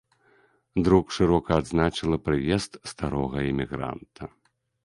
Друк шырока адзначыла прыезд старога эмігранта.